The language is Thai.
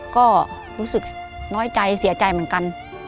ก็รู้สึกน้อยใจเสียใจเหมือนกัน